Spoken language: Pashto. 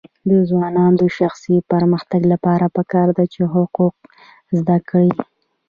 د ځوانانو د شخصي پرمختګ لپاره پکار ده چې حقوق زده کړي.